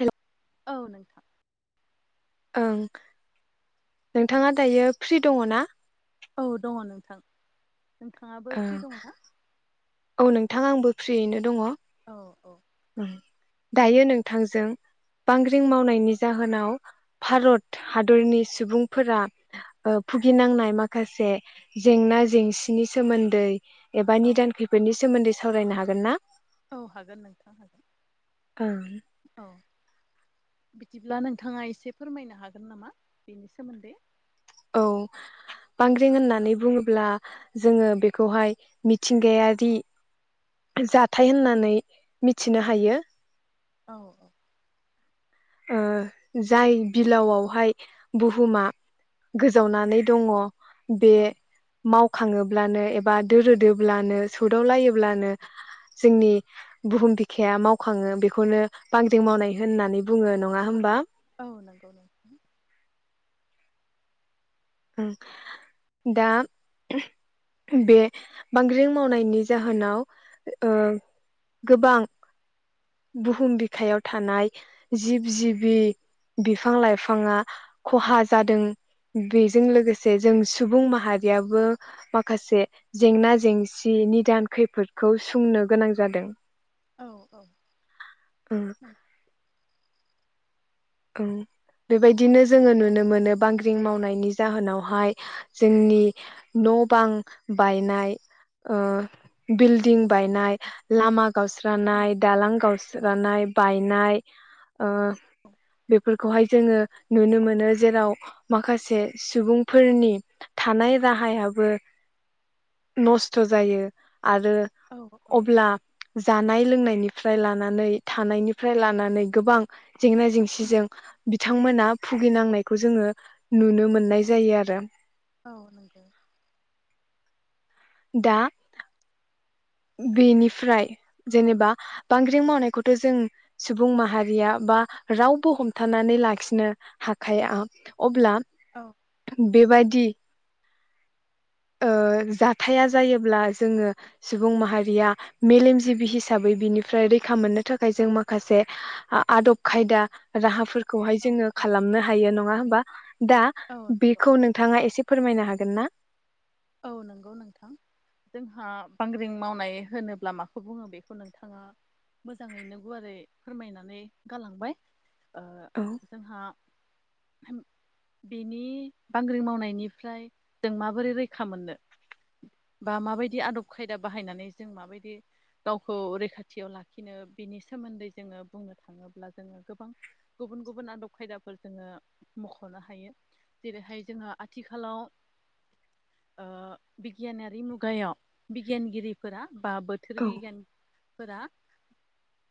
Hello औ नोंथां। ओं नोंथाङा दायो फ्रि दङ ना? औ दङ नोंथां। नोंथाङाबो ओं फ्रि दङ ना? औ नोंथां आंबो फ्रियैनो दङ। अ अ उम दायो नोंथांजों बांग्रिं मावनायनि जाहोनाव भारत हादरनि सुबुंफोरा भुगिनांनाय माखासे जेंना जेंसिनि सोमोन्दै एबा औ निदान खैफोदनि सोमोन्दै सावरायनो हागोन ना? औ हागोन नों ओं औ बिदिब्ला नोंथाङा एसे फोरमायनो हागोन नामा बेनि सोमोन्दै। औ बांग्रिं होननानै बुङोब्ला जोङो बेखौहाय मिथिंगायारि जाथाय होननानै मिथिनो हायो। औ औ ओ जाय बिलावआवहाय बुहुमा गोजावनानै दङ बे औ माव खाङोब्लानो एबा दोरोदोब्लानो सोदाव लायोब्लानो जोंनि बुहुम बिखाया मावखाङो बेखौनो बांग्रिं मावनाय होननानै बुङो नङा होमबा औ नंगौ नंगौ दा बे बांग्रिं मावनायनि जाहोनाव ओ‌ गोबां बुहुम बिखायाव थानाय जिब जिबि बिफां लाइफाङा खहा जादों बे जों लोगोसे जों सुबुं माहारियाबो माखासे जेंना जेंसि निदान खैफोदखौ सुंनो गोनां जादों औ औ औ ओं बेबायदिनो जोङो नुनो मोनो बांग्रिं मावनायनि जाहोनावहाय जोंनि न' बां बायनाय ओ बिल्डिं बायनाय लामा औ गावस्रानाय दालां गावस जोगानाय बायनाय ओ बेफोरखौहाय जोङो नुनो मोनो जेराव माखासे सुबुंफोरनि थानाय राहायाबो नस्थ' जायो आरो औ औ अब्ला जानाय लोंनायनिफ्राय लानानै थानायनिफ्राय लानानै गोबां जेंना जेंसि जों बिथांमोना भुगिनां औ नंगौ दा बेनिफ्राय जेनेबा बांग्रिं मावनायखौथ' जों सुबुं माहारिया बा रावबो हमथानानै लाखिनो हाखाया अब्ला औ बेबायदि ओ जाथाया जायोब्ला जोङो सुबुं माहारिया मेलेमजिबि हिसाबै बिनिफ्राय रैखा मोननो थाखाय औ जों माखासे आदब खायदा राहाफोर खौहाय औ जोङो औ खालामनो हायो नङा होमबा दा औ बेखौ नोंथाङा एसे फोरमायनो हागोन ना औ नंगौ नोंथां जोंहा बांग्रिं मावनाय होनोब्ला माखौ बुङो बेखौ नोंथाङा मोजाङैनो गुवारै फोरमायनानै गालांबाय ओ औ जोंहा बेनि बांग्रि मावनायनिफ्राय जों माबोरै रैखा खामनो बा माबायदि आदब खायदा बाहायनानै जों माबायदि गावखौ रैखाथियाव लाखिनो बेनि सोमोन्दै जोङो बुंनो थाङोब्ला जोङो गोबां गुबुन गुबुन आदब खायदाफोर जोङो मख'नो हायो जेरैहाय जोङो आथिखालाव ओ बिगियानारि मुगायाव बिगियानगिरिफोरा बा बोथोर औ बिगियान फोरा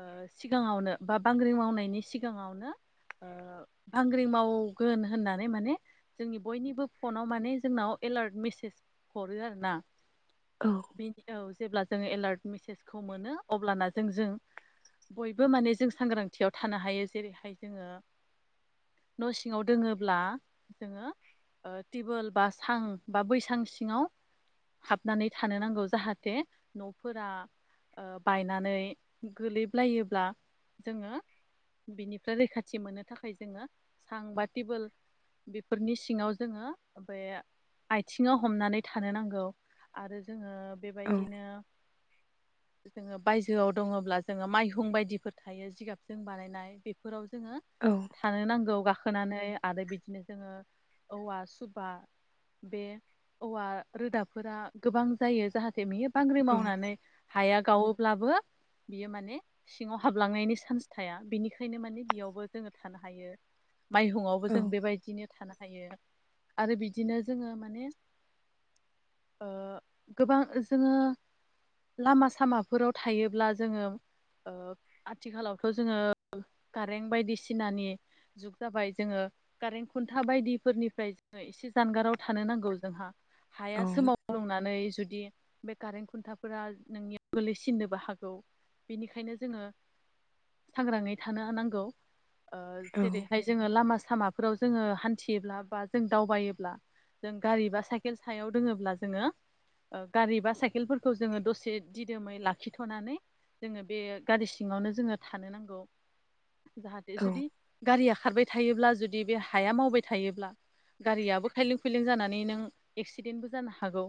ओ सिगाङावनो बा बांग्रिं मावनायनि सिगाङावनो बांग्रिं मावगोन होननानै माने जोंनि बयनिबो फनाव माने जोंनाव एलार्ट मेसेज हरो आरो ना औ बेदि औ जेब्ला जोङो एलार्ट मेसेजखौ मोनो अब्लाना जों जों बयबो माने जों सांग्रांथियाव थानो हायो जेरैहाय जोङो न सिङाव दोङोब्ला जोङो टिबोल बा सां बा बैसां सिङाव हाबनानै थानो नांगौ जाहाथे नफोरा ओ बायनानै गोलैल्बायोब्ला जोङो बिनिफ्राय रैखाथि मोननो थाखाय जोङो सां बा टेबोल बेफोरनि सिङाव जोङो बे आथिङाव हमनानै थानो नांगौ आरो जोङो औ बेबायदिनो जोङो बायजोआव दङब्ला जोङो माइहुं बायदिफोर थायो जिगाबजों बानायनाय बेफोराव जोङो औ थानो नांगौ गा खोनानै आरो बिदिनो जोङो औवा सुबा बे औवा रोदाफोरा गोबां जायो जाहाथे बियो बांग्रि औ मावनानै हाया गावो ब्लाबो बियो माने सिङाव हाबलांनायनि सान्स थाया बिनिखायनो माने बेयावबो जोङो थानो हायो। माइहुंयावबो औ जों बेबायदिनो थाना [unintelligible] आरो बिदिनो जोङो मासे ओ गोबां जोङो लामा सामाफोराव थायोब्ला जोङो ओ आथिखालावथ जोङो कारेन्ट बायदिसिनानि जुग जाबाय जोङो कारेन्ट खुन्था बायदिफोरनिफ्राय जोङो एसे जानगाराव थानो नांगौ जोंहा औ हाया सोमावल्गुंनानै जुदि बे कारेन्ट खुन्थाफोरा नोंनियाव गोलैसिननोबो हागौ बेनिखायनो जोङो सांग्राङै थानो नांगौ। ओ जेरैहाय जोङो लामा सामाफोराव जोङो हान्थियोब्ला बा जों दावबायोब्ला जों गारि बा साइकेल सायाव दोङोब्ला जोङो ओ गारि बा साइकेलफोरखौ जोङो दसे दिदोमै लाखिथनानै जोङो बे गारि सिङावनो जोङो थानो नांगौ। जाहाथे जुदि गारिया खारबाय थायोब्ला जुदि बे हाया मावबाय थायोब्ला गारियाबो खायलें खुयलें जानानै नों एक्सिडेन्टबो जानो हागौ।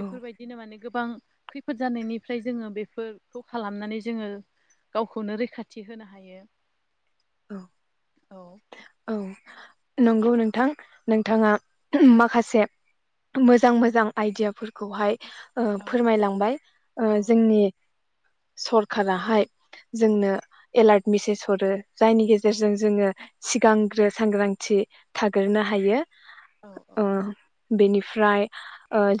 औ माने गो बां खैफोद जानायनिफ्राय जोङो बेफोरखौ खालामनानै जोङो गावखौनो रैखाथि होनो हायो। औ औ औ नंगौ नोंथां नोंथाङा माखासे मोजां मोजां आइडियाफोरखौहाय ओ औ फोरमायलांबाय ओ औ जोंनि सरखाराहाय जोंनो एलार्ट मेसेज हरो। जायनि औ गेजेरजों जोङो सिगांग्रो सांग्रांथि थाग्रोनो हायो। औ अ बेनिफ्राय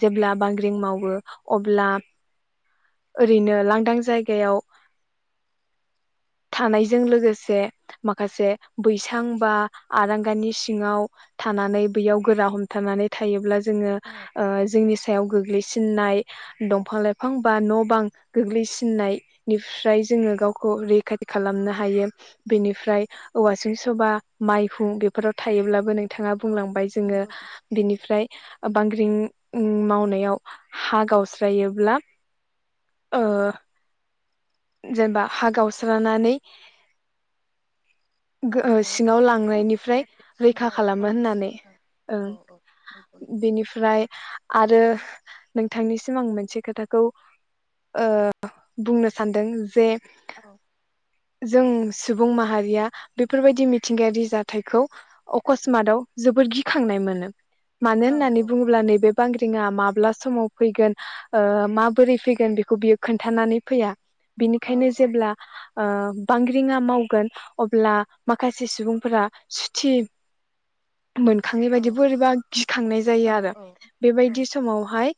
जेब्ला ओ बांग्रिं मावो अब्ला ओरैनो लांदां जायगायाव थानायजों लोगोसे माखासे बैसां बा आरांगानि सिङाव थानानै बैयाव गोरा हमथानानै थायोब्ला जोङो औ ओ जोंनि सायाव गोग्लैसिननाय दंफां लाइफां बा न बां गोग्लैसिननायनिफ्राय जोङो गावखौ रै खाथि खालामनो हायो बेनिफ्राय औवासिं सुबा माइहुं बेफोराव थायोब्लाबो नों थाङा औ औ बुंलांबाय जोङो नंगौ बिनिफ्राय बांग्रिं ओम मावनायाव हा गावस्रायोब्ला ओ। जेनेबा हा गावस्रानानै औ गो ओ हाया सिङाव गावस्रायोब्ला लांनायनिफ्राय जाहाथे रैखा सिङाव खालामो गलांनाय होननानै ओं औ औ औ नंगौ बेनिफ्राय आरो नोंथांनिसिम आं मोनसे खोथाखौ ओ बुंनो सानदों जे औ जों सुबुं माहारिया बेफोरबायदि मिथिंगायारि जाथायखौ अकसमताव जोबोद गिखांनाय मोनो मानो औ होननानै औ बुङोब्ला नैबे बांग्रिङा माब्ला समाव फैगोन ओ माबोरै फैगोन बेखौ बियो खोन्थानानै फैया औ बिनिखायनो औ जेब्ला अ बांग्रिङा मावगोन अब्ला माखासे सुबुंफोरा सुथि मोनखांनाय औ बायदि बोरैबा गिखांनाय जायो आरो औ औ बेबायदि समावहाय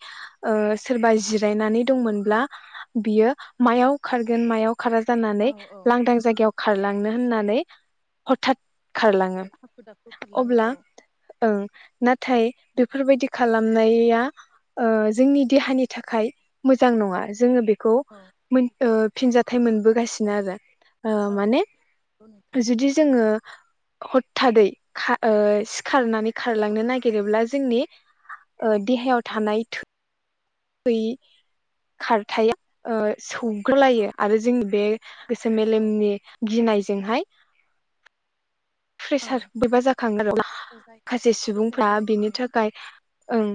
अ सोरबा जिरायनानै दंमोनब्ला बियो मायाव खारगोन मायाव खारा जानानै औ औ लांदां जायगायाव खारलांनो होननानै हथात खारलाङो हाखु दाखु खारलाङो अब्ला औ ओं नाथाय बेफोरबायदि खालामनाया ओ जोंनि देहानि थाखाय मोजां नङा जोङो बेख गौ ओ औ फिनजाथाइ मोनबोगासिनो आरो ओ औ माने नंगौ नोंथां जुदि जोङो हथादै खा सिखारनानै खारलांनो नागिरोब्ला जोंनि औ ओ देहायाव थानाय बै खारथाया ओ सौ खलायो औ आरो जों बे गोसो औ मेलमनि गिनायज जंहाय औ प्रेसार बैबा जाखागोन आरो अब्ला दस्रा जायो खासे औ दस्रा सुबुंफ्रा जानायखौ बेनि नुयो थाखाय ओं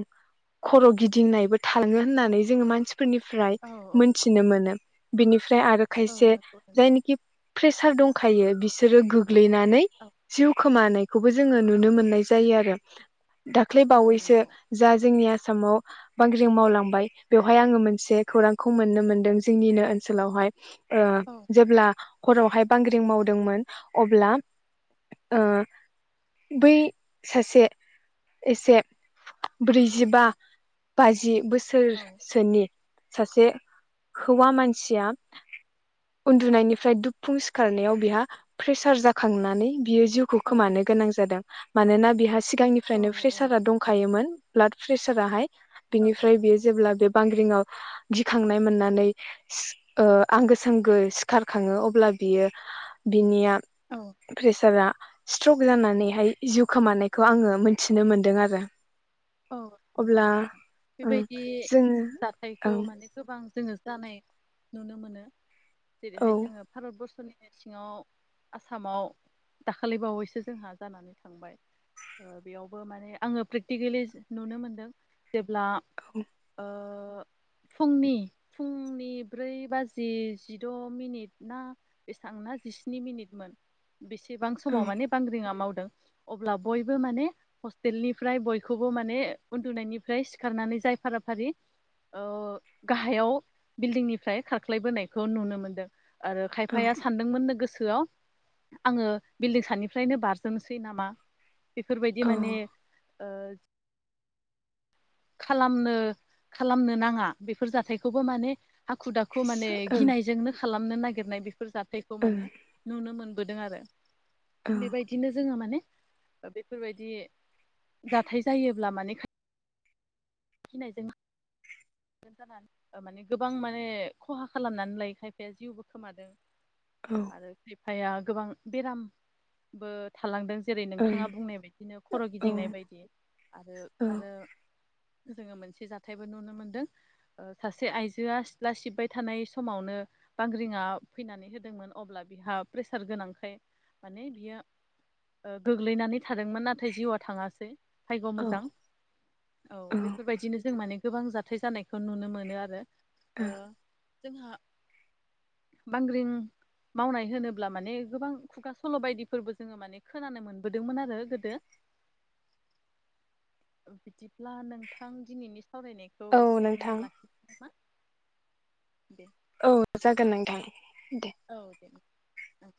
खर' गिदिंनायबो थाङो होननानै जोङो मानसि फोरनिफ्राय औ औ मोनथिनो मोनो बिनि फ्राय आरो औ खायसे नंगौ नोंथां जायनिखि प्रेसार दंखायो बिसोरो गोग गोग्लैनानै औ खोमानायखौबो जोङो नुनो मोननाय जायो आरो दाख्लै औ बावैसो नंगौ जा जोंनिया आसामाव बांग्रिं मावलांबाय बेवहाय आङो मोनसे खौरांखौ मोननो मोनदों जोंनिनो ओनसोलावहाय। ओह औ जेब्ला हरावहाय बांग्रिं मावदोंमोन अब्ला ओह बै सासे एसे ब्रैजिबा बाजि बोस सोर औ सोनि सासे हौवा मानसिया उन्दुनायनिफ्राय दुफुं सिखारनायाव बेहा प्रेसार जाखांनानै बियो जि जिउखौ औ खोमानो गोनां जादों। मानोना बिहा सिगांनिफ्रायनो प्रेसारा औ दंखायोमोन। ब्लाद प्रेसाराहाय। औ बिनिफ्राय बेयो जेब्ला बेफ बांग्रिंआव गिखांनाय मोननानै सिख ओह आंगो सांगो सिखारखाङो अब्ला बियो बिनिया औ फ्रेस रा स्ट्रक जानानैहाय जिउ खोमानायखौ आङो मोनथिनो मोनदों आरो। औ नंगौ अब्ला नोंथां ओं बेबायदि जोङो जाथायखौ ओं माने गोबां जोङो जानाय नुनो मोनो। जेरैहाय जोङो भारत बरर्स नि सिङाव आसामाव दाखालि बावैसो जोंहा जानानै थांबाय बेयावबो माने आंङो प्रेकटिकेलि नुनो मोनदों जेब्ला ओह। ओह फुंनि-फुंनि ब्रै बाजि जिद मिनिट ना बेसबां ना जिस्नि मिनिटमोन। बेसेबां औ समाव माने बांग्रिंआ मावद ओ अब्ला बयबो मान हस्टेलनिफ्राय बयखौ बेखौबो माने उन्दुनायनिफ्राय सिखारनानै जाय फाराफारि ओह गाहायाव बिल्डिंनिफ्राय खारख्लायबोनायखौ नुनो मोनदों। आरो खायफाया सानदोंमोननो गोसो गोसोआव आङो बिल्डिं सानिफ्रायनो बारजोबनोसै नामा? बेफोरबायदि औ माने खालामनो खालामनो नाङा बेफोर जाथायखौबो माने हाखु दाखु माने औ गिनायजोंनो खालाम नो नागिरनाय बेफ- जाथायखौ ओं माने नुनो मोन बोदों आरो। ओं बेबायदिनो जोंङो माने बेफोरबायदि जाथाय जायोब्ला माने खाथ गिनायजों जानानै माने गोबां माने खहा खालामनानै लायो खायफाया जिउबो खोमादों। औ आरो बिब फाया गोबां बेराम बो थालांदों। जेरै ओं नोंथाङा बुंनाय बायदिनो खर' औ गिदिंनाय बायदि आरो औ आरो जोङो मोनसे जाथायबो नुनो मोनदों। ओ सासे आइजोआ सिथ्ला सिबबाय थानाय समावनो बांग्रिंङा फैनानै होदोंमोन अब्ला बिहा प्रेसार गोनांखाय माने बियो ओ गोग्लैनानै थादोंमोन नाथाय जिउआ थाङासै। भायग' औ मोजां औ बेफोरबायदिनो जों मान माने गोबां जाथाय जानायखौ नुनो मोनो आरो। औ ओ जोंहा बांग्रिं मावनाय होनोब्ला माने गोबां खुगा सल' बायदिफोरबो जोङो माने खोनानो मोनबोदोंमोन आरो गोदो बिदिब ब्ला नोंथां दिनैनि सावरायनायखौ औ एसेयावनो नोंथां लाख मा दे औ जागोन नोंथां दे औ दे आ